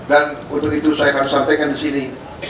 dan untuk itu saya harus sampaikan disini